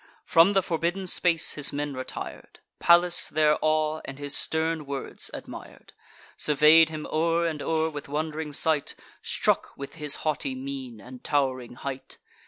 From the forbidden space his men retir'd. Pallas their awe, and his stern words, admir'd; Survey'd him o'er and o'er with wond'ring sight, Struck with his haughty mien, and tow'ring height.